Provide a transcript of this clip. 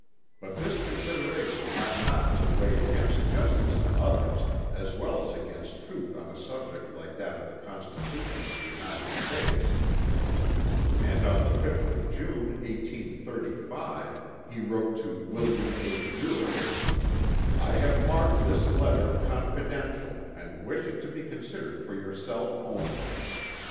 But this consideration ought not to weigh against justice to others, as well as against truth on a subject like that of the Constitution of the United States." And on the 5th of June, 1835, he wrote to William A. Duer: "I have marked this letter 'confidential,' and wish it to be considered for yourself only.